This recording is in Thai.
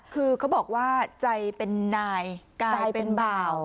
คือเขาบอกว่าใจเป็นนายกายเป็นบ่าว